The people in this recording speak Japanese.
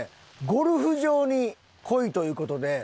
「ゴルフ場に来い」という事で。